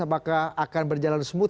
apakah akan berjalan smooth